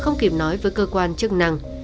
nói với cơ quan chức năng